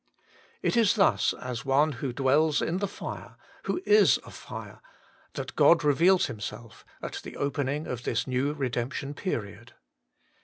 It is thus as One who dwells in the fire, who is a fire, that God reveals Himself at the opening of this new redemption period.